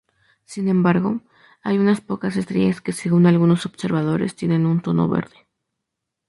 Sin embargo, hay unas pocas estrellas que según algunos observadores tienen un tono verde.